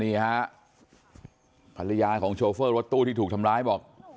นี่ฮะภรรยาของโชเฟอร์รถตู้ที่ถูกทำร้ายบอก